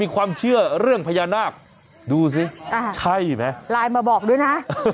ความเชื่อเรื่องพญานาคดูสิใช่ไหมไลน์มาบอกด้วยนะ